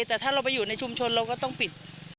แต่ถ้าเราไปอยู่ในชุมชนเราก็ต้องปิด